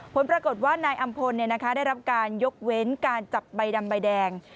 ผลปรากฏว่านายอำพลได้รับการยกเว้นการจับใบดำใบแดง